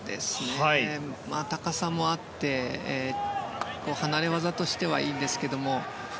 高さもあって離れ技としてはいいんですけれども。